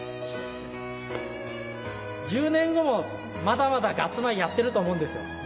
１０年後もまだまだガッツ米をやってると思うんですよ